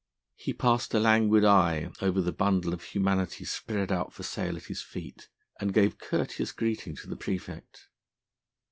He passed a languid eye over the bundle of humanity spread out for sale at his feet and gave courteous greeting to the praefect.